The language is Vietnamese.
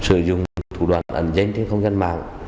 sử dụng thủ đoạn ẩn danh trên không gian mạng